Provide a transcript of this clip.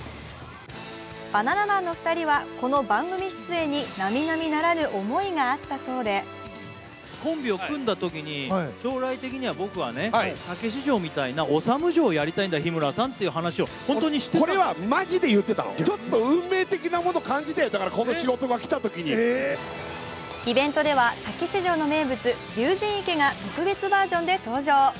バナナマンの２人はこの番組出演になみなみならぬ思いがあったそうでイベントでは「たけし城」の名物・竜神池が特別バージョンで登場。